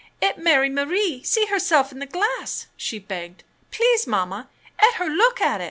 " 'Et Mary M'rie see herse'f in the glass!" she begged. ''Please, Mamma, 'et her loot at et!"